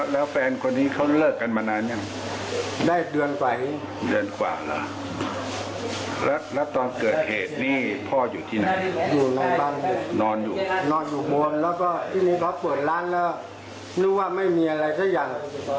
แล้วก็ที่นี้พอเปิดร้านแล้วนิ่งว่าไม่มีอะไรซะอย่าง